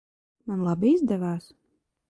Man labi izdevās?